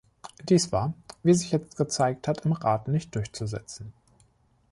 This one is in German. Dies war, wie sich jetzt gezeigt hat, im Rat nicht durchzusetzen.